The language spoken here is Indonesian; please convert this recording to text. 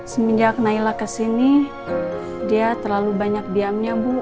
semenjak nailah ke sini dia terlalu banyak diamnya bu